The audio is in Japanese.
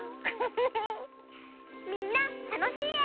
みんなたのしいえを。